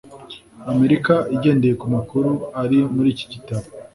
amerika igendeye ku makuru ari muri iki gitabo